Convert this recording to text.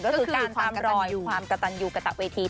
ก็คือการตามรอยความกระตันยูกระตะเวที